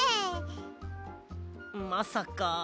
まさか。